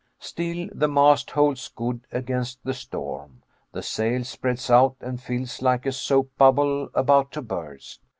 Still the mast holds good against the storm. The sail spreads out and fills like a soap bubble about to burst.